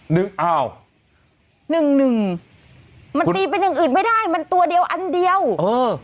หนึ่งอ้าวหนึ่งหนึ่งมันตีเป็นอย่างอื่นไม่ได้มันตัวเดียวอันเดียวเออ